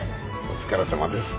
お疲れさまです。